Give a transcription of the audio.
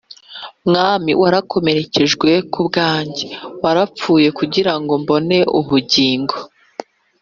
Mwami warakomerekejwe kubwanjye. Wapfuye kugira ngo mbon' ubugingo.